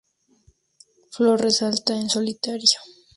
Flor resalta en solitario.